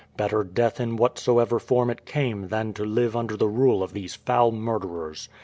Better death in whatsoever form it came than to live under the rule of these foul murderers.